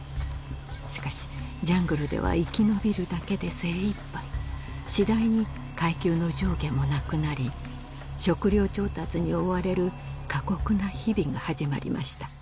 しかしジャングルでは生き延びるだけで精いっぱい次第に階級の上下もなくなり食料調達に追われる過酷な日々が始まりました